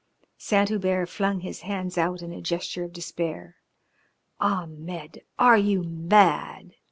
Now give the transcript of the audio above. Saint Hubert flung his hands out in a gesture of despair. "Ahmed! Are you mad?